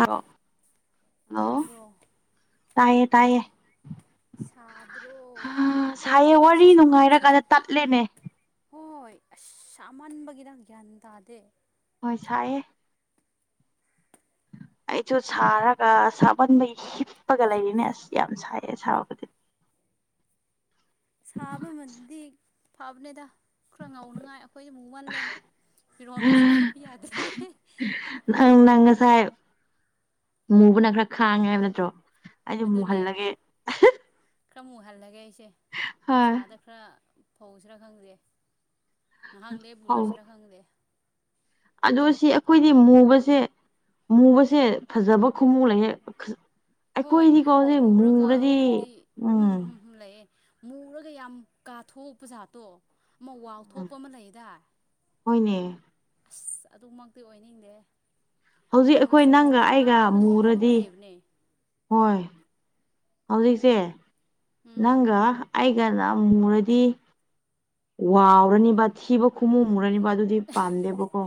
ꯑ ꯍꯂ ꯇꯥꯕ꯭ꯔꯣ ꯇꯥꯏꯌꯦ ꯇꯥꯏꯌꯦ ꯁꯥꯗ꯭ꯔꯣ ꯑ ꯁꯥꯏꯌꯦ ꯋꯥꯔꯤ ꯑꯩꯈꯣꯏꯁꯦ ꯁꯥꯕꯁꯦ ꯅꯨꯡꯉꯥꯏꯔꯀꯥꯟꯗ ꯇꯠꯂꯦꯅꯦ ꯍꯣꯏ ꯑꯁꯃꯟꯕꯒꯤꯗ ꯒ꯭ꯌꯥꯟ ꯇꯥꯗꯦ ꯍꯣꯏ ꯁꯥꯏꯑꯦ ꯑꯩꯁꯨ ꯁꯥꯔꯒ ꯁꯥꯍꯟꯕ ꯍꯤꯞꯄꯒ ꯂꯩꯔꯤꯅꯦ ꯑꯁ ꯌꯥꯝ ꯁꯥꯏꯌꯦ ꯁꯥꯕꯕꯨꯗꯤ ꯁꯥꯕꯃꯗꯤ ꯐꯥꯕꯅꯦꯗ ꯈꯔ ꯉꯥꯎꯅꯉꯥꯏ ꯑꯩꯈꯣꯏ ꯑꯃꯨꯛ ꯃꯜꯂꯦ ꯐꯤꯔꯣꯟꯒꯁꯦ ꯍꯥꯞꯄ ꯌꯥꯗꯦ ꯑꯪ ꯅꯪ ꯉꯁꯥꯏ ꯃꯨꯕꯅ ꯈꯔ ꯈꯥꯡꯉꯦ ꯍꯥꯏꯕ ꯅꯠꯇ꯭ꯔꯣ ꯑꯩꯁꯨ ꯑꯗꯨꯅꯦ ꯃꯨꯍꯜꯂꯒꯦ ꯈꯔ ꯑꯃꯨꯛ ꯍꯜꯂꯒꯦ ꯑꯩꯁꯦ ꯍꯣꯏ ꯅꯨꯡꯁꯥꯗ ꯈꯔ ꯐꯧꯁꯤꯔꯥ ꯈꯪꯗꯦ ꯉꯍꯥꯛ ꯂꯦ ꯐꯧ ꯄꯨꯔꯁꯤꯔ ꯈꯪꯗꯦ ꯑꯗꯣ ꯁꯤ ꯑꯩꯈꯣꯏꯗꯤ ꯃꯨꯕꯁꯦ ꯃꯨꯕꯁꯦ ꯐꯖꯕ ꯈꯨꯃꯨ ꯂꯩꯦꯛ ꯍꯣꯏ ꯍꯥꯏ ꯃꯨꯔꯒ ꯍꯥꯏꯕꯗꯤ ꯎꯝ ꯎꯝ ꯂꯩꯌꯦꯦ ꯃꯨꯔꯒ ꯌꯥꯝ ꯀꯥꯊꯣꯛꯄ ꯖꯥꯠꯇꯣ ꯑꯃ ꯎꯝ ꯋꯥꯎꯊꯣꯛꯄ ꯑꯃ ꯂꯩꯗꯥ ꯍꯣꯏꯅꯦ ꯑꯁ ꯑꯗꯨꯃꯛꯇꯤ ꯑꯣꯏꯅꯤꯡꯗꯦ ꯍꯧꯖꯤꯛ ꯑꯩꯈꯣꯏ ꯃꯨꯔꯁꯨ ꯅꯪꯒ ꯈꯤꯇꯪ ꯑꯩꯒ ꯅꯥꯍꯜꯂꯒ ꯃꯨꯕ ꯑꯃ ꯃꯨꯔꯗꯤ ꯂꯩꯕꯅꯦ ꯍꯣꯏ ꯍꯧꯖꯤꯛꯁꯦ ꯎꯝ ꯅꯪꯒ ꯑꯩ ꯀꯅ ꯃꯨꯔꯗꯤ ꯋꯥꯎꯔꯅꯤꯕ ꯊꯤꯕ ꯈꯣꯡꯃꯨ ꯃꯨꯔꯅꯤꯕ ꯑꯗꯨꯗꯤ ꯄꯥꯝꯗꯦꯕꯀꯣ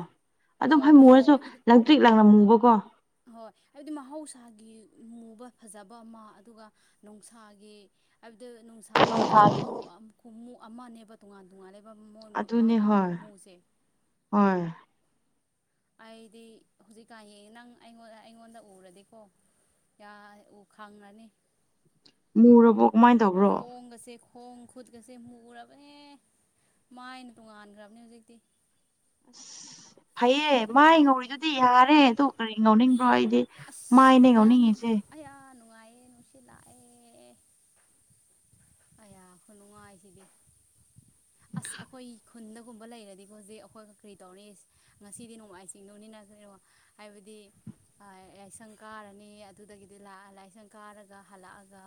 ꯑꯗꯨꯝ ꯍꯣꯏ ꯍꯩ ꯃꯨꯨꯔꯁꯨ ꯍꯥꯏꯕꯗꯤ ꯂꯪ ꯇ꯭ꯔꯤꯛ ꯂꯪꯅ ꯃꯨꯕꯀꯣ ꯍꯣꯏ ꯍꯥꯏꯕꯗꯤ ꯃꯍꯧꯁꯥꯒꯤ ꯃꯨꯕ ꯐꯖꯕ ꯑꯃ ꯑꯗꯨꯒ ꯅꯨꯡꯁꯥꯒꯤ ꯍꯥꯏꯕꯗꯤ ꯑꯗꯨ ꯅꯨꯡꯁꯥꯒꯤꯃꯨ ꯀꯃꯨ ꯑꯃꯅꯦꯕ ꯇꯣꯉꯥꯟ ꯅꯨꯡꯉꯥꯏꯕ ꯑꯗꯨꯅꯦ ꯃꯥꯒꯤ ꯍꯣꯏ ꯃꯃꯨꯁꯦ ꯍꯣꯏ ꯑꯩꯗꯤ ꯍꯧꯖꯤꯛꯀꯥ ꯌꯦꯡ ꯅꯪ ꯑꯩꯉꯣꯟ ꯑꯩꯉꯣꯟꯗ ꯎꯔꯗꯤꯀꯣ ꯌꯥ ꯎ ꯈꯪꯉꯅꯤ ꯃꯕꯨ ꯈꯣꯡꯁꯦ ꯈꯣꯡ ꯈꯨꯠꯀꯁꯦ ꯃꯨꯔꯕꯅꯦ ꯃꯥꯏꯅ ꯇꯣꯉꯥꯟꯈ꯭ꯔꯕꯅꯦ ꯍꯧꯖꯤꯛꯇꯤ ꯐꯩꯌꯦꯦ ꯃꯥ ꯉꯧꯔꯤꯗꯨꯗꯤ ꯌꯥꯔꯦ ꯑꯗꯨ ꯀꯔꯤ ꯉꯧꯅꯤꯡꯕ꯭ꯔꯣ ꯑꯩꯗꯤ ꯃꯥꯏꯅ ꯉꯧꯅꯤꯡꯉꯤꯁꯦ ꯑꯌꯦ ꯅꯨꯡꯁꯤ ꯂꯑ ꯑꯌꯥꯁꯨ ꯅꯨꯡꯉꯥꯏꯁꯤꯗꯤ ꯑꯁ ꯑꯩꯈꯣꯏ ꯈꯨꯟꯗꯒꯨꯝꯕ ꯂꯩꯔꯗꯤꯀꯣ ꯍꯧꯖꯤꯛ ꯑꯩꯈꯣꯏ ꯀꯔꯤ ꯇꯧꯔꯤ ꯉꯁꯤꯗꯤ ꯅꯣꯡꯃꯥꯏ ꯆꯤꯡꯗꯧꯅꯤꯅꯔꯣ ꯍꯥꯏꯕꯗꯤ ꯌꯥꯥꯏꯁꯪ ꯀꯥꯔꯅꯤ ꯑꯗꯨꯗꯒꯤꯗꯤ ꯂꯥꯏꯁꯪ ꯀꯥꯔꯒ ꯍꯜꯂꯛꯑꯒ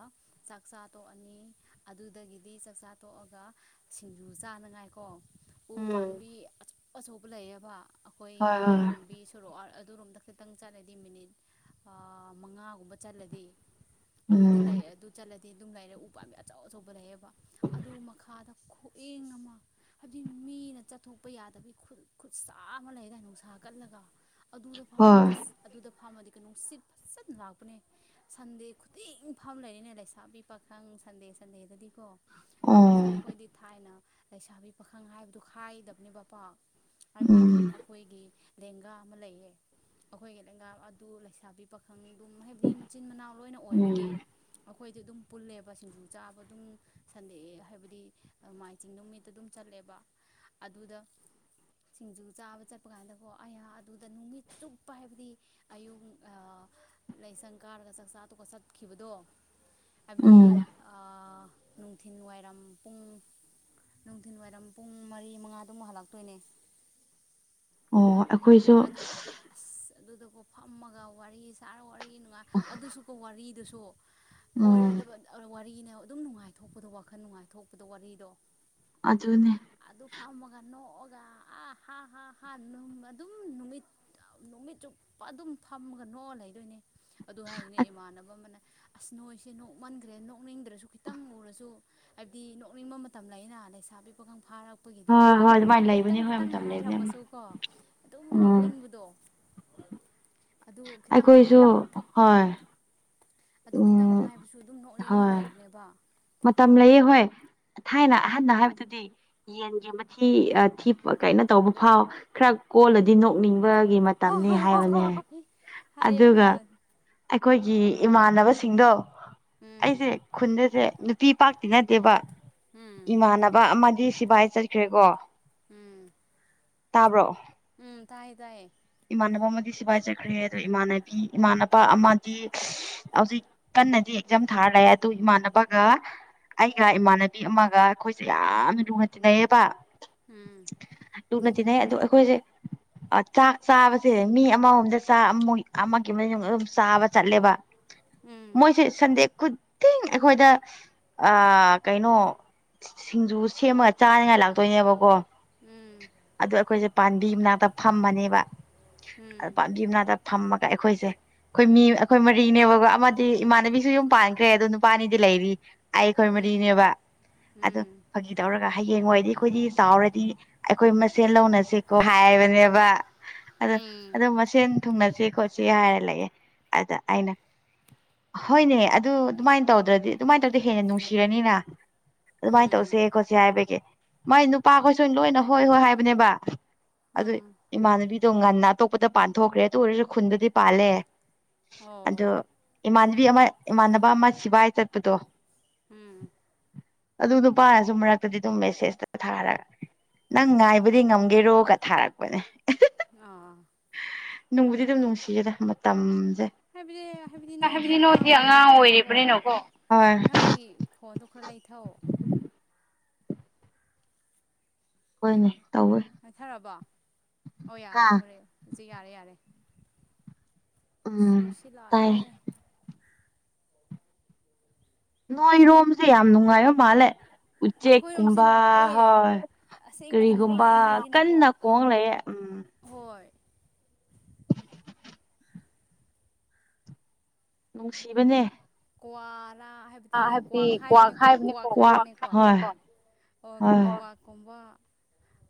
ꯆꯥꯛ ꯆꯥ ꯇꯣꯛꯑꯅꯤ ꯑꯗꯨꯗꯒꯤꯗꯤ ꯆꯥꯛꯆꯥ ꯇꯣꯛꯑꯒ ꯁꯤꯡꯖꯨ ꯆꯥꯅꯉꯥꯏꯀꯣ ꯎ ꯎꯝ ꯄꯥꯝꯕꯤ ꯑꯆꯧ ꯑꯆꯧꯕ ꯂꯩꯌꯦꯕ ꯍꯣꯏ ꯑꯩꯈꯣꯏꯒꯤ ꯍꯣꯏ ꯂꯝꯕꯤ ꯁꯣꯔꯣꯛ ꯑꯗꯨꯔꯣꯝꯗ ꯈꯤꯇꯪ ꯆꯠꯂꯗꯤ ꯃꯤꯅꯤꯠ ꯃꯉꯥꯒꯨꯝꯕ ꯆꯠꯂꯗꯤ ꯑꯗꯨꯗ ꯎꯝ ꯂꯩꯔꯦ ꯑꯗꯨ ꯆꯠꯂꯗꯤ ꯑꯗꯨꯝ ꯂꯩꯔꯦ ꯎ ꯄꯥꯝꯃꯦ ꯑꯆꯧ ꯑꯆꯧꯕ ꯂꯩꯌꯦꯦꯕ ꯑꯗꯨ ꯃꯈꯥꯗ ꯈꯨꯌꯦꯪ ꯑꯃ ꯍꯥꯏꯕꯗꯤ ꯃꯤꯅ ꯆꯠꯊꯣꯛꯄ ꯌꯥ ꯌꯥ ꯈꯨꯠ ꯈꯨꯠ ꯁꯥ ꯑꯃ ꯂꯩ ꯅꯨꯡꯁꯥ ꯀꯜꯂꯒ ꯍꯣꯏ ꯑꯗꯨꯗ ꯐꯝꯃ ꯀ ꯁꯤ ꯐ ꯂꯥꯛꯕꯅꯦ ꯁꯟꯗꯦ ꯈꯨꯗꯤꯡ ꯐꯕ ꯂꯩꯔꯤꯦꯅꯦ ꯂꯩꯁꯥꯕꯤ ꯄꯥꯈꯪ ꯁꯟꯗꯦꯁꯦ ꯆꯟꯅꯦꯗꯗꯤꯀꯣ ꯑꯣ ꯑꯩꯈꯣꯏꯁꯦ ꯑꯩꯈꯣꯏꯗꯤ ꯊꯥꯏꯅ ꯂꯩꯁꯥꯕꯤ ꯄꯥꯈꯪ ꯍꯥꯏꯕꯗꯨ ꯈꯥꯏꯗꯕꯅꯦꯕ ꯄꯣ ꯍꯥꯏꯕꯗꯤ ꯑꯗꯨꯝ ꯎꯝ ꯑꯩꯈꯣꯏꯒꯤ ꯂꯦꯡꯒꯥ ꯑꯃ ꯂꯩꯌꯦ ꯑꯩꯈꯣꯏꯒꯤ ꯂꯦꯡꯒꯥ ꯑꯗꯨ ꯂꯩꯁꯥꯕꯤ ꯄꯈ ꯪ ꯑꯗꯨꯝ ꯍꯥꯏꯕꯗꯤ ꯃꯆꯤꯟ ꯃꯅꯥꯎ ꯂꯣꯏꯅ ꯎꯝ ꯑꯣꯏꯕꯒꯤ ꯑꯩꯈꯣꯏꯗꯤ ꯑꯗꯨꯝ ꯄꯨꯜꯂꯦꯕ ꯁꯤꯡꯖꯨ ꯆꯥꯕ ꯑꯗꯨꯝ ꯁꯟꯗꯦꯛꯑꯦ ꯍꯥꯏꯕꯗꯤ ꯃꯥꯏ ꯆꯤꯡ ꯅꯨꯃꯤꯠꯇ ꯑꯗꯨꯝ ꯆꯠꯂꯦꯕ ꯑꯗꯨꯗ ꯁꯤꯡꯖꯨ ꯆꯥꯕ ꯆꯠꯄ ꯀꯥꯟꯗꯀꯣ ꯑꯩꯍꯥꯛ ꯑꯗꯨꯗ ꯅꯨꯃꯤꯠ ꯆꯨꯞꯄ ꯍꯥꯏꯕꯗꯤ ꯑꯌꯨꯛ ꯂꯥꯏꯁꯪ ꯀꯥꯔꯒ ꯆꯥꯛꯆꯥ ꯑꯗꯨꯒ ꯠꯈꯤꯕꯗꯣ ꯍꯥꯏꯕꯗꯤ ꯎꯝ ꯅꯨꯡꯊꯤꯜ ꯋꯥꯏꯔꯝ ꯄꯨꯡ ꯅꯨꯡꯊꯤꯜ ꯋꯥꯏꯔꯝ ꯄꯨꯡ ꯃꯔꯤ ꯃꯉꯥꯗꯨꯃꯨꯛ ꯍꯜꯂꯛꯇꯣꯏꯅꯦ ꯑꯣ ꯑꯩꯈꯣꯏꯁꯨ ꯑꯗꯨ ꯑꯁ ꯑꯗꯨꯗꯀꯣ ꯐꯝꯃꯒ ꯋꯥꯔꯤ ꯁꯥꯔ ꯋꯥꯔꯤ ꯅꯨꯡꯉꯥꯏ ꯑꯗꯨꯁꯨꯀꯣ ꯋꯥꯔꯤꯗꯨꯁꯨ ꯎꯝ ꯑꯣꯏꯔꯣꯏꯗꯕ ꯋꯥꯔꯤꯅ ꯑꯗꯨꯝ ꯅꯨꯡꯉꯥꯏꯊꯣꯛꯄꯗꯣ ꯋꯥꯈꯜ ꯅꯨꯡꯉꯥꯏꯊꯣꯛꯄꯗꯣ ꯋꯥꯔꯤꯗꯣ ꯑꯗꯨꯅꯦ ꯑꯗꯨ ꯐꯝꯃꯒ ꯅꯣꯛꯑꯒ ꯑ ꯍꯥꯥ ꯍꯥꯥ ꯍꯥꯥꯃ ꯑꯗꯨꯝ ꯅꯨꯃꯤꯠ ꯅꯨꯃꯤꯠ ꯆꯨꯞꯄ ꯑꯗꯨꯝ ꯐꯝꯃꯒ ꯅꯣꯛꯑ ꯂꯩꯗꯣꯏꯅꯦ ꯑꯗꯨ ꯍꯥꯏꯔꯤꯅꯦ ꯏꯃꯥꯟꯅꯕ ꯑꯃꯅ ꯑꯁ ꯅꯣꯏꯁꯦ ꯅꯣꯛꯃꯟꯈ꯭ꯔꯦ ꯅꯣꯛꯅꯤꯡꯗ꯭ꯔꯁꯨ ꯈꯤꯇꯪ ꯎꯔꯁꯨ ꯍꯥꯏꯕꯗꯤ ꯅꯣꯛꯅꯤꯡꯕ ꯃꯇꯝ ꯂꯩꯅ ꯂꯩꯁꯥꯕꯤ ꯄꯈꯪ ꯐꯥꯔꯕ ꯅꯄꯒꯤꯗꯣ ꯍꯣꯏ ꯍꯣꯏ ꯑꯗꯨꯃꯥꯏꯅ ꯀꯇꯪ ꯂꯩꯕꯅꯦ ꯍꯣꯏ ꯈꯤꯇꯪ ꯃꯇꯝ ꯂꯩꯕꯅꯦ ꯑꯃ ꯍꯥꯏꯔꯝꯃꯁꯨ ꯀꯣ ꯑꯗꯨꯝ ꯎꯝ ꯅꯣꯛꯅꯤꯡꯕꯗꯣ ꯑꯗꯨ ꯈꯤꯇꯪ ꯑꯩꯈꯣꯏꯁꯨ ꯍꯣꯏ ꯑꯗꯨꯝ ꯈꯤꯇꯪ ꯎꯝ ꯍꯥꯏꯕꯁꯨ ꯑꯗꯨꯝ ꯅꯣꯛꯅꯤꯡꯕ ꯍꯣꯏ ꯂꯩꯕꯅꯦꯕ ꯃꯇꯝ ꯂꯩꯌꯦ ꯍꯣꯏ ꯊꯥꯏꯅ ꯑꯍꯟꯅ ꯍꯥꯏꯕꯗꯨꯗꯤ ꯌꯦꯟꯒꯤ ꯃꯊꯤ ꯊꯤ ꯀꯩꯅꯣ ꯇꯧꯕ ꯐꯥꯎ ꯈꯔ ꯀꯣꯜꯂꯗꯤ ꯅꯣꯛꯅꯤꯡꯕꯒꯤ ꯍꯣꯏ ꯃꯇꯝꯅꯤ ꯍꯣꯏ ꯍꯥꯏꯕꯅꯦ ꯍꯣꯏ ꯍꯥꯏꯌꯦ ꯑꯗꯨꯒ ꯑꯩꯈꯣꯏ ꯑꯩꯈꯣꯏꯒꯤ ꯏꯃꯥꯟꯅꯕꯁꯤꯡꯗꯣ ꯎꯝ ꯑꯩꯁꯦ ꯈꯨꯟꯗꯁꯦ ꯅꯨꯄꯤ ꯄꯥꯛꯇꯤ ꯅꯠꯇꯦꯕ ꯎꯝ ꯏꯃꯥꯟꯅꯕ ꯑꯃꯗꯤ ꯁꯤꯕꯥꯏ ꯆꯠꯈ꯭ꯔꯦꯀꯣ ꯎꯝ ꯇꯥꯕ꯭ꯔꯣ ꯎꯝ ꯇꯥꯏꯌꯦ ꯇꯥꯏꯌꯦ ꯏꯃꯥꯟꯅꯕ ꯑꯃꯗꯤ ꯁꯤꯐꯥꯏꯖꯈ꯭ꯔꯦ ꯑꯗꯣ ꯏꯃꯥꯟꯅꯕꯤ ꯏꯃꯥꯟꯅꯕ ꯑꯃꯗꯤ ꯍꯧꯖꯤꯛ ꯀꯟꯅꯗꯤ ꯑꯦꯛꯖꯥꯝ ꯊꯥꯔ ꯂꯑꯦ ꯑꯗꯨ ꯏꯃꯥꯟꯅꯕꯒ ꯑꯩꯒ ꯏꯃꯥꯟꯅꯕꯤ ꯑꯃꯒ ꯑꯩꯈꯣꯏꯁꯦ ꯌꯥꯝꯅ ꯂꯨꯅ ꯆꯤꯟꯅꯩꯌꯦꯕ ꯎꯝ ꯂꯨꯅ ꯇꯤꯟꯅꯩ ꯑꯗꯣ ꯑꯩꯈꯣꯏꯁꯦ ꯆꯥꯛ ꯆꯥꯕꯁꯦ ꯃꯤ ꯑꯃꯃꯝꯗ ꯆ ꯑꯃꯒꯤ ꯑꯗꯨꯝ ꯆꯥꯕ ꯆꯠꯂꯦꯕ ꯎꯝ ꯃꯣꯏꯁꯦ ꯁꯟꯗꯦꯛ ꯈꯨꯗꯤꯡ ꯑꯩꯈꯣꯏꯗ ꯑ ꯀꯩꯅꯣ ꯁꯤꯡꯖꯨ ꯁꯦꯝꯃꯒ ꯆꯥꯅꯤꯉꯥꯏ ꯂꯥꯛꯇꯣꯏꯅꯦꯕꯀꯣ ꯑꯗꯨ ꯑꯩꯈꯣꯏꯁꯦ ꯄꯥꯝꯕꯤ ꯃꯅꯥꯛꯇ ꯐꯝꯃꯅꯦꯕ ꯑꯅꯗ ꯐꯝꯃ ꯑꯩꯈꯣꯏꯁꯦ ꯑꯩꯈꯣꯏ ꯃꯤ ꯑꯩꯈꯣꯏ ꯃꯔꯤꯅꯦꯕꯀꯣ ꯑꯃꯗꯤ ꯏꯃꯥꯟꯅꯕꯤꯁꯨ ꯌ ꯄꯥꯟꯈ꯭ꯔꯦ ꯑ ꯅꯨꯄꯥꯅꯤꯗꯤ ꯂꯩꯔꯤ ꯑꯩ ꯑꯩꯈꯣꯏ ꯃꯔꯤꯅꯦꯕ ꯑꯗꯨ ꯐꯥꯒꯤ ꯇꯧꯔꯒ ꯍꯌꯦꯡꯋꯥꯣꯏꯗꯤ ꯑꯩꯈꯣꯏꯗꯤ ꯆꯥꯎꯔꯗꯤ ꯑꯩꯈꯣꯏ ꯃꯁꯦꯜ ꯂꯧꯅꯁꯤꯦꯀꯣ ꯍꯥꯏꯕꯅꯦꯕ ꯑꯗ ꯎꯝ ꯑꯗꯣ ꯃꯁꯦꯟ ꯊꯨꯡꯅꯁꯤ ꯈꯣꯠꯁꯤ ꯍꯥꯏꯔ ꯂꯩꯑꯦ ꯑꯗ ꯑꯩꯅ ꯍꯣꯏꯅꯦ ꯑꯗꯨ ꯑꯗꯨꯃꯥꯏꯅ ꯇꯧꯗ꯭ꯔꯗꯤ ꯑꯗꯨꯃꯥꯏꯅ ꯇꯧꯔꯗꯤ ꯍꯦꯟꯅ ꯅꯨꯡꯁꯤꯔꯅꯤꯅ ꯑꯗꯨꯃꯥꯏꯅ ꯎꯝ ꯇꯧꯁꯦ ꯈꯣꯠꯁꯦ ꯍꯥꯏꯕꯒꯤ ꯃꯥꯏ ꯅꯨꯄꯥꯈꯣꯏ ꯁꯣꯏ ꯂꯣꯏꯅ ꯍꯣꯏ ꯍꯣꯏ ꯍꯥꯏꯕꯅꯦꯕ ꯑꯗꯨ ꯎꯝ ꯏꯃꯅꯕꯤꯗꯣ ꯉꯟꯅ ꯑꯇꯣꯞꯄꯗ ꯄꯥꯟꯊꯣꯛꯈ꯭ꯔꯦ ꯇ ꯑꯣꯏꯔꯁꯨ ꯈꯨꯟꯕꯨꯗꯤ ꯄꯥꯜꯂꯦ ꯑꯣ ꯑꯗꯣ ꯏꯃꯥꯟꯅꯕꯤ ꯑꯃ ꯏꯃꯥꯟꯅꯕ ꯑꯃ ꯁꯤꯕꯥꯥꯏ ꯆꯠꯄꯗꯣ ꯎꯝ ꯑꯗꯨ ꯅꯨꯄꯥꯅꯁꯨ ꯃꯔꯛꯇꯗꯤ ꯑꯗꯨꯝ ꯃꯦꯁꯦꯖꯇ ꯊꯥꯔꯒ ꯅꯪ ꯉꯥꯏꯕꯗꯤ ꯉꯝꯒꯦꯔꯣꯒ ꯊꯥꯔꯛꯄꯅꯦ ꯑꯥ ꯅꯨꯡꯕꯨꯗꯤ ꯑꯗꯨꯝ ꯅꯨꯡꯁꯤꯖꯦꯗ ꯃꯇꯝ ꯍꯥꯏꯕꯗꯤ ꯍꯥꯏꯕꯗꯤ ꯅꯣꯏꯗꯤ ꯑꯉꯥꯡ ꯑꯣꯏꯔꯤꯕꯅꯤꯅꯣꯀꯣ ꯑꯣꯏꯔꯤꯕꯅꯤꯅꯀꯣ ꯍꯣꯏ ꯅꯪꯒꯤ ꯈꯣꯟꯗꯣ ꯈꯔ ꯂꯩꯊꯧ ꯍꯣꯏꯅꯦ ꯇꯧꯋꯦ ꯍꯥꯏꯠꯊꯔꯕꯣ ꯑꯣ ꯌꯥꯔꯦ ꯍꯥ ꯎꯈꯂꯦ ꯍꯧꯖꯤꯛ ꯌꯥꯔꯦ ꯌꯥꯔꯦ ꯑꯁ ꯎꯝ ꯅꯨꯡꯁꯤ ꯇꯥꯏ ꯂꯥꯛꯑꯦ ꯅꯣꯏꯔꯣꯝꯁꯦ ꯌꯥꯝ ꯅꯨꯡꯉꯥꯏꯌ ꯃꯥꯜꯂꯦ ꯑꯩꯈꯣꯏꯔꯣꯝꯁꯦ ꯎꯆꯦꯛꯀꯨꯝꯕ ꯅꯨꯡꯉꯥꯏꯌꯦ ꯍꯣꯏ ꯑꯁꯦꯡꯕꯒꯤ ꯀꯔꯤꯒꯨꯝꯕ ꯅꯨꯡꯉꯥꯏ ꯍꯥꯏꯁꯤꯅꯀꯣ ꯀꯟꯅ ꯈꯣꯡ ꯂꯩꯌꯦꯦ ꯎꯝ ꯍꯣꯏ [inaudible] ꯅꯨꯡꯁꯤꯕꯅꯦ ꯀꯋꯥꯔ ꯍꯥꯏꯕꯗꯤ ꯀ꯭ꯋꯥꯛ ꯍꯥꯏꯕꯅꯦꯀ ꯍꯥꯏꯕꯅꯦꯀꯣ ꯑꯣ ꯀꯋꯥ ꯀꯨꯝꯕꯥ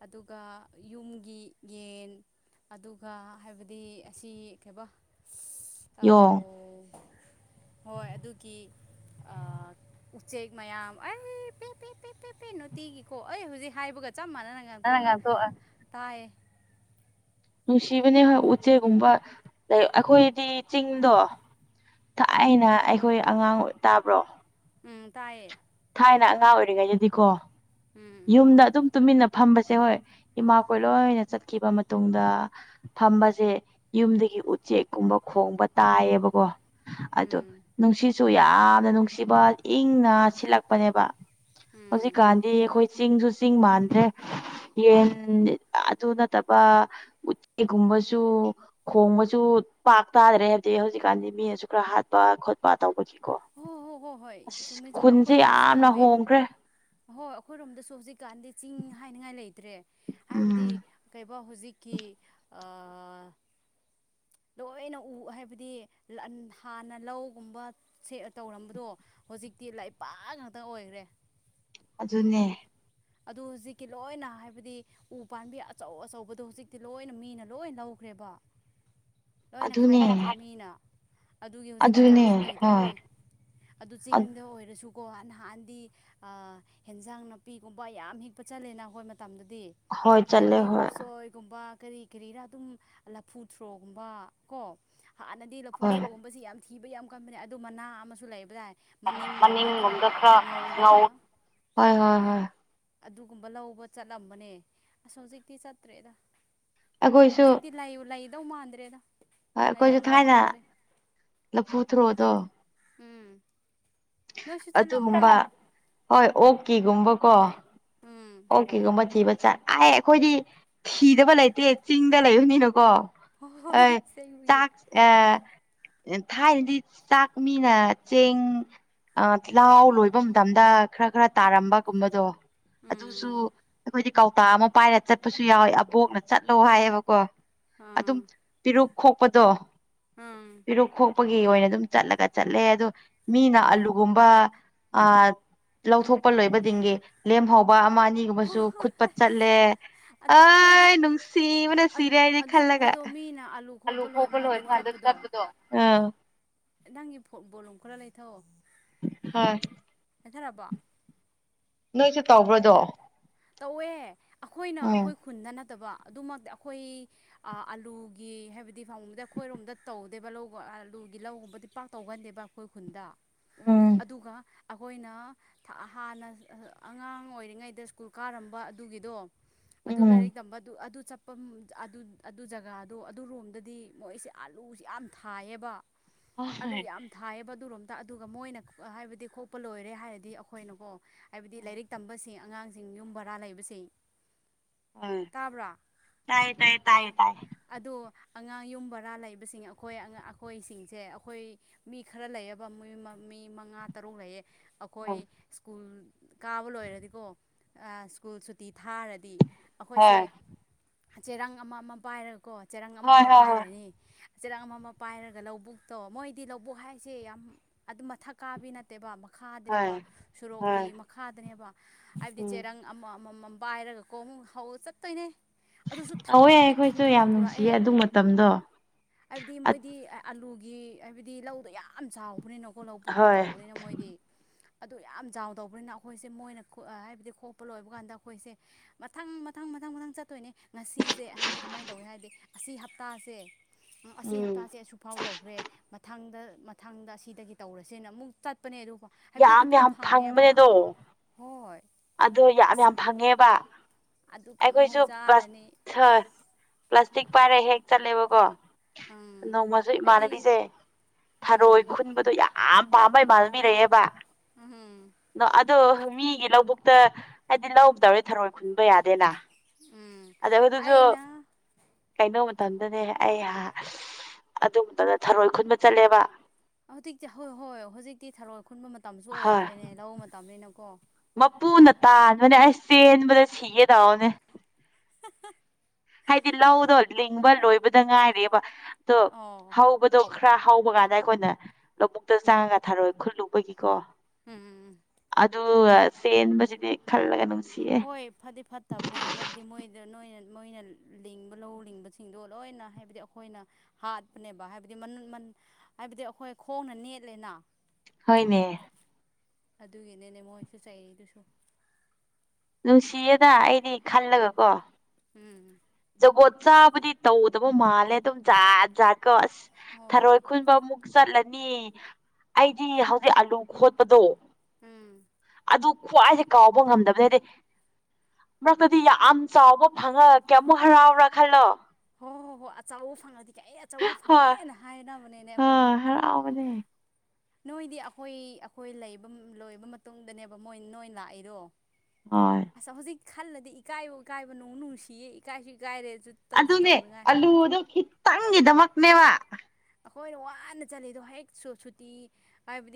ꯑꯗꯨꯒ ꯌꯨꯝꯒꯤ ꯌꯦꯟ ꯑꯗꯨꯒ ꯍꯥꯏꯕꯗꯤ ꯑꯁꯤ ꯀꯩꯕꯣ ꯌꯣꯡ ꯍꯣꯏ ꯑꯗꯨꯒꯤ ꯎꯆꯦꯛ ꯃꯌꯥꯝ ꯑꯩ ꯄꯦꯦꯦ ꯄꯦ ꯅꯨꯡꯇꯤꯒꯤꯀꯣ ꯑꯩ ꯍꯧꯖꯤꯛ ꯍꯥꯏꯕꯒ ꯆꯞ ꯃꯥꯟꯅꯅ ꯅꯪꯅ ꯉꯥꯛꯊꯣꯛꯑ ꯉꯥꯛꯇꯣꯛꯑ ꯇꯥꯏ ꯅꯨꯡꯁꯤꯕꯅꯦ ꯍꯣꯏ ꯎꯆꯦꯛꯒꯨꯝꯕ ꯂꯩ ꯑꯩꯈꯣꯏꯗꯤ ꯆꯤꯡꯗꯣ ꯊꯥꯏ ꯑꯅ ꯑꯩꯈꯣꯏ ꯑꯉꯥꯡ ꯑꯣꯏ ꯇꯥꯕ꯭ꯔꯣ ꯎꯝ ꯇꯥꯏꯌꯦ ꯊꯥꯏꯅ ꯑꯉꯥꯡ ꯑꯣꯏꯔꯤꯉꯩꯗꯗꯤꯀꯣ ꯎꯝ ꯌꯨꯝꯗ ꯑꯗꯨꯝ ꯇꯨꯃꯤꯟꯅ ꯐꯝꯕꯁꯦ ꯍꯣꯏ ꯏꯃꯥ ꯀꯣꯏ ꯂꯣꯏꯅ ꯆꯠꯈꯤꯕ ꯃꯇꯨꯡꯗ ꯐꯝꯕꯁꯦ ꯌꯨꯝ ꯎꯆꯦꯛꯀꯨꯝꯕ ꯈꯣꯡꯕ ꯇꯥꯏꯌꯦꯕꯀꯣ ꯑ ꯎꯝ ꯅꯨꯡꯁꯤꯁꯨ ꯌꯥꯝꯅ ꯅꯨꯡꯁꯤꯕ ꯏꯪꯅ ꯁꯤꯜꯂꯛꯄꯅꯦꯕ ꯎꯝ ꯍꯧꯖꯤꯛ ꯥꯟꯙꯤ ꯑꯩꯈꯣꯏ ꯆꯤꯡꯁꯨ ꯆꯤꯡ ꯃꯥꯟꯗ꯭ꯔꯦ ꯌꯦꯟ ꯑꯗꯨ ꯅꯠꯇꯕ ꯎꯇꯤꯒꯨꯝꯕ ꯃꯆꯨ ꯈꯣꯡ ꯃꯁꯨꯨ ꯄꯥꯛ ꯇꯥꯗ꯭ꯔꯦ ꯍꯥꯏꯕꯗꯤ ꯍꯧꯖꯤꯛꯀꯥꯟꯗꯤ ꯃꯤꯅꯁꯨ ꯈꯔ ꯍꯥꯠꯄ ꯈꯣꯠꯄ ꯇ ꯀꯣ ꯍ ꯍꯣ ꯍꯣ ꯍꯣꯏꯨꯝꯃꯦꯨꯝꯃꯦꯣꯏ ꯁꯤ ꯌꯥꯝꯅ ꯍꯣꯡꯈ꯭ꯔꯦ ꯍꯍꯣꯏ ꯑꯩꯈꯣꯏꯔꯣꯝꯗꯁꯨ ꯍꯧꯖꯤꯛꯀꯥꯟꯗꯤ ꯆꯤꯡ ꯍꯥꯏꯅꯤꯡꯉꯥꯏ ꯂꯩꯇ꯭ꯔꯦ ꯍꯥꯏꯕꯗꯤ ꯎꯝ ꯍꯧꯖꯤꯛꯀꯤ ꯂꯣꯏꯅ ꯎ ꯍꯥꯏꯕꯗꯤ ꯍꯥꯟꯅ ꯂꯧꯒꯨꯝꯕ ꯇꯧꯔꯝꯕꯗꯣ ꯍꯧꯖꯤꯛꯇꯤ ꯂꯩꯄꯥꯛ ꯉꯥꯛꯇ ꯑꯣꯏꯈ꯭ꯔꯦ ꯑꯗꯨꯅꯦ ꯑꯗꯨ ꯍꯧꯖꯤꯛꯀꯤ ꯂꯣꯏꯅ ꯍꯥꯏꯕꯗꯤ ꯎ ꯄꯥꯕꯤ ꯑꯆꯧ ꯑꯆꯧꯕꯗꯣ ꯍꯧꯖꯤꯛꯇꯤ ꯂꯣꯏꯅ ꯃꯤꯅ ꯂꯣꯏꯅ ꯂꯧꯈ꯭ꯔꯦ ꯦꯕ ꯂꯣꯏꯅ ꯑꯗꯨꯅꯦ ꯈꯥꯏꯗꯣꯛꯈ꯭ꯔꯦ ꯃꯤꯅ ꯑꯗꯨꯒꯤ ꯍꯧꯖꯤꯛꯇꯤ ꯑꯗꯨꯅꯦ ꯀꯩꯁꯨ ꯍꯣꯏ ꯂꯩꯇ꯭ꯔꯕꯅꯦ ꯑꯗꯨ ꯆꯤꯡꯗ ꯑꯣꯏꯔꯁꯨ ꯀꯣ ꯅꯍꯥꯟꯗꯤ ꯍꯦꯟꯖꯥꯡ ꯅꯥꯄꯤꯒꯨꯝꯕ ꯌꯥꯝ ꯍꯤꯛꯄ ꯆꯠꯂꯦꯅ ꯍꯣꯏ ꯃꯇꯝꯗꯗꯤ ꯍꯣꯏ ꯆꯠꯂꯦ ꯍꯥꯏꯕꯗꯤ ꯍꯣꯏ ꯎꯁꯣꯏꯒꯨꯝꯕ ꯀꯔꯤ ꯀꯔꯤꯔꯥ ꯑꯗꯨꯝ ꯂꯐꯨꯊ꯭ꯔꯣꯒꯨꯝꯕ ꯀꯣ ꯍꯥꯟꯅꯗꯤ ꯂꯐꯨ ꯍꯣꯏ ꯊ꯭ꯔꯣꯒꯨꯝꯕꯁꯤ ꯌꯥꯝ ꯊꯤꯕ ꯌꯥꯝ ꯀꯕꯅꯦ ꯑꯗꯨ ꯃꯅꯥ ꯑꯃꯁꯨ ꯂꯩꯕꯗꯥꯏꯗꯤ ꯃꯅꯤꯡꯂꯣꯝꯗ ꯈꯔ ꯉꯧ ꯍꯣꯏ ꯍ ꯑꯗꯨꯒꯨꯝꯕ ꯂꯧꯕ ꯆꯠꯂꯝꯕꯅꯦ ꯑꯁ ꯍꯧꯖꯤꯛꯇꯤ ꯆꯠꯇ꯭ꯔꯦꯗ ꯑꯩꯈꯣꯏꯁꯨ ꯍꯧꯖꯤꯛꯇꯤ ꯂꯩꯗꯧ ꯃꯥꯟꯗ꯭ꯔꯦꯗ ꯍꯣꯏ ꯑꯩꯈꯣꯏꯁꯨ ꯂꯩꯔꯝꯗꯧ ꯊꯥꯏꯅ ꯃꯥꯟꯗ꯭ꯔꯦ ꯂꯐꯨ ꯊ꯭ꯔꯣꯛꯑꯣꯗꯣ ꯎꯝ ꯅꯣꯏꯁꯨ ꯆꯠꯂꯝꯕ꯭ꯔꯣ ꯑꯗꯨꯒꯨꯝꯕ ꯍꯣꯏ ꯑꯣꯛꯀꯤꯒꯨꯝꯕꯀꯣ ꯎꯝ ꯑꯣꯀꯦꯒꯨꯝꯕꯆꯤꯕꯆꯥ ꯑ ꯑꯩꯈꯣꯏꯗꯤ ꯊꯤꯗꯕ ꯂꯩꯇꯦ ꯆꯤꯡꯗ ꯂꯩꯕꯨꯅꯤꯅ ꯀꯣ ꯑ ꯍꯣꯏ ꯑꯁꯦꯡꯕꯒꯤ ꯆꯥꯛ ꯑ ꯊꯥꯏꯅꯗꯤ ꯆꯥꯛ ꯃꯤꯅ ꯆꯦꯡ ꯑ ꯂꯍꯥꯎ ꯂꯣꯏꯕ ꯃꯇꯝꯗ ꯈꯔ ꯈꯔ ꯇꯥꯔꯝꯕꯒꯨꯝꯕꯗꯣ ꯑꯗꯨꯁꯨ ꯎꯝ ꯑꯩꯈꯣꯏꯗꯤ ꯀꯧꯇꯥ ꯑꯃ ꯄꯥꯏꯔ ꯆꯠꯄꯁꯨ ꯌꯥꯎꯋꯦ ꯑꯕꯣꯛꯅ ꯆꯠꯂꯣ ꯍꯥꯏꯌꯦꯕꯀꯣ ꯑꯗꯨꯝ ꯑꯥ ꯄꯤꯔꯨꯛ ꯈꯣꯛꯄꯗꯣ ꯎꯝ ꯄꯤꯔꯨꯛ ꯄꯄꯒꯤ ꯑꯣꯏꯅ ꯑꯗꯨꯝ ꯆꯠꯂꯒ ꯆꯠꯂꯦ ꯑꯗꯣ ꯃꯤꯅ ꯑꯂꯨꯒꯨꯝꯕ ꯑ ꯂꯧꯊꯣꯛꯄ ꯂꯣꯏꯕꯗꯤꯡꯒꯤ ꯂꯦꯝꯍꯧꯕ ꯑꯃ ꯑꯅꯤꯒꯨꯝꯕꯁꯨ ꯈꯨꯠꯄꯠ ꯆꯠꯂꯦ ꯑ ꯑꯗꯣ ꯑꯩꯈꯣꯏꯗꯤ ꯅꯨꯡꯁꯤꯡ ꯃꯅ ꯆꯔꯤꯗꯤ ꯈꯜꯂꯒꯥ ꯑꯗꯨꯒꯨꯝꯕꯗꯣ ꯃꯤꯅ ꯑꯥꯂꯨ ꯑꯂꯨ ꯈꯣꯛꯄ ꯍꯄ ꯂꯣꯏꯕ ꯀꯥꯟꯗ ꯂꯣꯏ ꯉꯥꯟꯗ ꯆꯠꯄꯗꯣ ꯀꯠꯄꯗꯣ ꯅꯪꯒꯤ ꯕꯣꯂꯣꯡꯈ ꯂꯩ ꯊꯣ ꯍꯣꯏ ꯅꯟꯊꯔꯕꯣ ꯅꯣꯏꯁꯨ ꯇꯧꯕ꯭ꯔꯗꯣ ꯇꯧꯋꯦ ꯑꯩꯈꯣꯏꯅ ꯑꯩꯈꯣꯏ ꯈꯨꯟꯗ ꯅꯠꯇꯕ ꯑꯗꯨꯃꯛꯇꯤ ꯑꯩꯈꯣꯏ ꯑꯂꯨꯒꯤ ꯍꯥꯏꯕꯗꯤ ꯐꯪꯕꯗꯤ ꯑꯩꯈꯣꯏꯔꯣꯝꯗ ꯇꯧꯗꯦꯕ ꯂꯧ ꯑꯗꯨꯒꯤ ꯂꯧꯒꯨꯝꯕꯗꯤ ꯄꯥꯛ ꯇꯧꯒꯟꯗꯦꯕ ꯑꯩꯈꯣꯏ ꯈꯨꯟꯗ ꯎꯝ ꯑꯗꯨꯒ ꯑꯩꯈꯣꯏꯅ ꯍꯥꯟꯅ ꯑꯉꯥꯡ ꯑꯣꯏꯔꯤꯉꯩꯗ ꯁ꯭ꯀꯨꯜ ꯀꯥꯔꯝꯕ ꯑꯗꯨꯒꯤꯗꯣ ꯑꯗꯨ ꯎꯝ ꯂꯥꯏꯔꯤꯛ ꯇꯝꯕ ꯑꯗꯨ ꯑꯗꯨ ꯆꯠꯄ ꯑꯗꯨ ꯖꯒꯥꯗꯣ ꯑꯗꯨꯔꯣꯝꯗꯗꯤ ꯃꯣꯏꯁꯦ ꯑꯥꯂꯨꯁꯦ ꯌꯥꯝ ꯊꯥꯏꯌꯦꯕ ꯑꯂꯨ ꯍꯣꯏ ꯌꯥꯝ ꯊꯥꯏꯌꯦꯕ ꯑꯗꯨꯝ ꯑꯗꯨꯒ ꯃꯣꯏꯅ ꯍꯥꯏꯕꯗꯤ ꯈꯣꯛꯄ ꯂꯣꯏꯔꯦ ꯍꯥꯏꯔꯗꯤ ꯑꯩꯈꯣꯏꯅꯀꯣ ꯍꯥꯏꯕꯗꯤ ꯂꯥꯏꯔꯤꯛ ꯇꯝꯕꯁꯤ ꯑꯉꯥꯡꯁꯤꯡ ꯁꯤꯡꯤꯡ ꯌꯨꯝ ꯕꯔꯥ ꯂꯩꯕꯕꯁꯤ ꯎꯝ ꯇꯥꯏ ꯇꯥꯏ ꯇꯥꯏ ꯇꯥꯏ ꯑꯗꯣ ꯑꯉꯥꯡ ꯌꯨꯝ ꯕꯔꯥ ꯂꯩꯕꯁꯤꯡ ꯑꯩꯈꯣꯏ ꯑꯩꯈꯣꯏꯁꯤꯡꯁꯦ ꯑꯩꯈꯣꯏ ꯃꯤ ꯈꯔ ꯂꯩꯔꯕ ꯃꯣꯏ ꯃꯤ ꯃꯉꯥ ꯇꯔꯨꯛ ꯂꯩꯌꯦ ꯑꯩꯈꯣꯏ ꯎꯝ ꯁ꯭ꯀꯨꯜ ꯀꯥꯕ ꯂꯣꯏꯔꯗꯤꯀꯣ ꯁ꯭ꯀꯨꯜ ꯁꯨꯇꯤ ꯊꯥꯔꯗꯤ ꯑꯩꯈꯣꯏꯁꯦ ꯍꯣꯏ ꯆꯦꯔ ꯑꯃ ꯑꯃ ꯄꯥꯏꯔꯒ ꯀꯣ ꯆꯦꯔꯪ ꯑꯃ ꯍꯣꯏ ꯑꯃ ꯍꯣꯏ ꯍꯣꯏ ꯄꯥꯏꯔꯅꯤ ꯆꯦꯔꯥꯡ ꯑꯃ ꯄꯥꯏꯔꯒ ꯂꯧꯕꯨꯛꯇꯣ ꯃꯣꯏꯗꯤ ꯂꯧꯕꯨꯛ ꯍꯥꯏꯁꯦ ꯌꯥꯝ ꯑꯗꯨꯝ ꯃꯊꯛ ꯀꯥꯕꯤ ꯅꯠꯇꯦꯕ ꯍꯣꯏ ꯃꯈꯥꯗꯅꯦꯕ ꯍꯣꯏ ꯁꯣꯔꯣꯛꯀꯤ ꯃꯈꯥꯗꯅꯦꯕ ꯍꯥꯏꯕꯗꯤ ꯎꯝ ꯆꯦꯔꯪ ꯑꯃ ꯑꯃ ꯕꯥꯥꯏꯔꯒꯀꯣ ꯑꯃꯨꯛ ꯍꯧ ꯆꯠꯇꯣꯏꯅꯦ ꯑꯗꯨꯁꯨ ꯊꯟ ꯇꯋꯦ ꯌꯥ ꯄꯤꯛ ꯊꯟ ꯑꯩꯈꯣꯏꯁꯨ ꯊꯟꯅ ꯌꯥꯝ ꯅꯨꯡꯁꯤꯌꯦ ꯄꯨꯔꯛꯑꯦ ꯑꯗꯨ ꯃꯇꯝꯗꯣ ꯍꯥꯏꯕꯗꯤ ꯃꯣꯏꯗꯤ ꯑꯂꯨ ꯒꯤ ꯍꯥꯏꯕꯗꯤ ꯂꯧꯗꯣ ꯌꯥꯝ ꯆꯥꯎꯕꯅꯤꯅꯀꯣ ꯂꯧ ꯄꯨꯨꯛꯇ ꯍꯣꯏ ꯇꯧꯕꯅꯤꯅ ꯃꯣꯏꯗꯤ ꯑꯗꯨ ꯌꯥꯝ ꯆꯥꯎꯗꯧꯕꯅꯤꯅ ꯑꯩꯈꯣꯏꯁꯦ ꯃꯣꯏꯅ ꯍꯥꯏꯕꯗꯤ ꯀꯣꯛꯄ ꯂꯣꯏꯕ ꯀꯥꯟꯗ ꯑꯩꯈꯣꯏꯁꯦ ꯃꯊꯪ ꯃꯊꯪ ꯃꯊꯪ ꯃꯊꯪ ꯆꯠꯇꯣꯏꯅꯦ ꯉꯁꯤꯁꯦ ꯍꯥꯏꯕꯗꯤ ꯀꯃꯥꯏꯅ ꯇꯧꯏꯤ ꯍꯥꯏꯕꯗꯤ ꯑꯁꯤ ꯍꯞꯇꯥꯁꯦ ꯑꯁꯤ ꯎꯝ ꯍꯞꯇꯥꯁꯦ ꯑꯁꯨꯛꯐꯥꯎ ꯇꯧꯈ꯭ꯔꯦ ꯃꯊꯪꯗ ꯃꯊꯪꯗ ꯑꯁꯤꯗꯒꯤ ꯇꯧꯔꯁꯦꯅ ꯑꯃꯨꯛ ꯆꯠꯄꯅꯦ ꯑꯗꯨ ꯑꯣ ꯍꯥꯏꯕꯗꯤ ꯌꯥꯝ ꯑꯗꯨꯐꯥꯎ ꯌꯥꯝ ꯐꯪꯉꯦꯕ ꯍꯣꯏ ꯑꯣ ꯌꯥꯝ ꯑꯁ ꯌꯥꯝ ꯐꯪꯉꯦꯕ ꯑꯗꯨ ꯀꯥꯡꯍꯧ ꯑꯩꯈꯣꯏꯁꯨ ꯆꯥꯔꯅꯤ ꯑꯁ ꯄ꯭ꯂꯥꯁꯇꯤꯛ ꯄꯥꯏꯔ ꯍꯦꯛ ꯆꯠꯂꯦꯕꯀꯣ ꯎꯝ ꯅꯣꯡꯃꯁꯨ ꯑꯩꯗꯤ ꯏꯃꯥꯟꯅꯕꯤꯁꯦ ꯊꯔꯣꯏ ꯎꯝ ꯈꯨꯟꯕꯗꯣ ꯌꯥꯝ ꯑꯝꯕꯝꯕꯩ ꯃꯥꯜꯕꯤꯔꯛꯑꯦꯕ ꯎꯝ ꯑꯗꯨꯗ ꯃꯤꯒꯤ ꯂꯧꯕꯨꯛꯇ ꯍꯥꯏꯗꯤ ꯂꯗꯧꯔꯦ ꯊꯔꯣꯏ ꯈꯨꯟꯕ ꯌꯥꯗꯦꯅ ꯎꯝ ꯑꯗ ꯍꯧꯗꯨꯁꯨ ꯑꯩꯅ ꯀꯩꯅꯩꯅꯣ ꯃꯇꯝꯗꯅꯦ ꯑꯩ ꯑꯗꯨ ꯃꯇꯝꯗ ꯊꯔꯣꯏ ꯈꯨꯟꯕ ꯆꯠꯂꯦꯕ ꯍꯧꯖꯤꯛꯇꯤ ꯍꯣꯏ ꯍꯣꯏ ꯍꯧꯖꯤꯛꯇꯤ ꯊꯔꯣ ꯈꯨꯟꯕ ꯃꯇꯝꯁꯨ ꯍꯣꯏ ꯑꯣꯏꯈ꯭ꯔꯦꯅꯦ ꯂꯧꯕ ꯃꯇꯝꯅꯤꯅꯀꯣ ꯃꯄꯨꯅ ꯇꯥꯟꯕꯅꯦ ꯑꯩꯁ ꯆꯦꯟꯕꯗ ꯁꯤꯒꯦ ꯇꯑꯣꯅꯦ ꯍꯥꯏꯗꯤ ꯂꯧꯗꯣ ꯂꯤꯡꯕ ꯂꯣꯏꯕꯗ ꯉꯥꯏꯔꯦꯕ ꯑꯣ ꯍꯧꯕꯗꯣ ꯈꯔ ꯍꯧꯕ ꯀꯥꯟꯗ ꯑꯩꯈꯣꯏꯅ ꯂꯧꯕꯨꯛꯇ ꯆꯪꯉꯒ ꯊꯥꯔꯣꯏꯏ ꯈꯨꯠ ꯂꯨꯕꯒꯤꯀꯣ ꯎꯝ ꯎ ꯆꯦꯟꯕꯁꯤꯗꯤ ꯈꯜꯂꯒ ꯅꯨꯡꯁꯤꯌꯦ ꯍꯣꯏ ꯐꯗꯤ ꯐꯠꯇꯕꯅꯦ ꯍꯥꯏꯕꯗꯤ ꯃꯣꯏꯗ ꯅꯣꯏ ꯃꯣꯏꯅ ꯂꯤꯡꯕ ꯂꯧ ꯂꯤꯡꯕꯁꯤꯡꯗꯣ ꯂꯣꯏꯅ ꯍꯥꯏꯕꯗꯤ ꯑꯩꯈꯣꯏꯅ ꯍꯥꯠꯄꯅꯦꯕ ꯍꯥꯏꯕꯗꯤ ꯍꯥꯏꯕꯗꯤ ꯑꯩꯈꯣꯏ ꯈꯣꯡꯅ ꯅꯦꯠꯂꯦꯅ ꯍꯅꯦ ꯑꯗꯨꯒꯤꯅꯤꯅꯦ ꯃꯣꯏꯁꯨ ꯆꯩꯔꯤꯗꯨꯁꯨ ꯅꯨꯡꯁꯤꯌꯦꯗ ꯑꯩꯗꯤ ꯈꯜꯂꯒꯀꯣ ꯎꯝ ꯖꯒꯣꯠ ꯆꯥꯕꯗꯤ ꯇꯧꯗꯕ ꯃꯥꯜꯂꯦ ꯑꯗꯨꯝ ꯖꯥꯠ ꯖꯥꯠ ꯊꯔꯣꯏ ꯍꯣꯏ ꯈꯨꯟꯕꯨꯛ ꯆꯠꯂ ꯑꯩꯗꯤ ꯍꯧꯖꯤꯛ ꯑꯂꯨ ꯈꯣꯠꯄꯗꯣ ꯎꯝ ꯑꯗꯨ ꯈ꯭ꯋꯥꯏꯁꯦ ꯀꯥꯎꯕ ꯉꯝꯗꯕꯅꯦꯗꯤ ꯃꯔꯛꯇꯗꯤ ꯌꯥꯝ ꯆꯥꯎꯕ ꯐꯪꯉ ꯀꯌꯥꯃꯨꯛ ꯍꯔꯥꯎꯔꯥ ꯈꯜꯂꯣ ꯍꯣ ꯍꯣ ꯍꯣ ꯑꯆꯕ ꯐꯪꯉꯗꯤ ꯀꯩ ꯑꯩ ꯑꯆꯧꯕ ꯐꯪꯉꯦꯅ ꯍꯥꯏꯅꯕ ꯑ ꯍꯔꯥꯎꯥꯎ ꯃꯅꯦ ꯅꯣꯏꯗꯤ ꯑꯩꯈꯣꯏ ꯑꯩꯈꯣꯏ ꯂꯣꯏꯕ ꯃꯇꯨꯡꯗꯅꯦꯕꯣꯏ ꯅꯣꯏ ꯂꯥꯛꯏꯔꯣ ꯍ ꯈꯜꯂꯗꯤ ꯏꯀꯥꯏꯕ ꯀꯥꯏꯕ ꯅꯨꯡ ꯅꯨꯡꯁꯤꯌꯦ ꯏꯀꯥꯏꯁꯨ ꯏ ꯀꯥꯏꯔꯦ ꯑꯗꯨꯅꯦ ꯑꯂꯨꯗꯣ ꯈꯤꯇꯪꯒꯤꯗꯃꯛꯅꯦꯕ ꯑꯩꯈꯣꯏꯅ ꯋꯥꯅ ꯆꯠꯂꯤ ꯑꯗꯣ ꯍꯦꯛ ꯁꯨꯇꯤ ꯍꯥꯏꯕꯗꯤ